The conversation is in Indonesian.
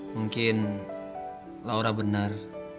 mungkin laura benar